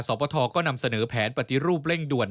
ปทก็นำเสนอแผนปฏิรูปเร่งด่วน